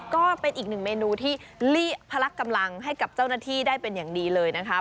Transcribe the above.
ก็เป็นอีกหนึ่งเมนูที่พลักกำลังให้กับเจ้าหน้าที่ได้เป็นอย่างดีเลยนะคะ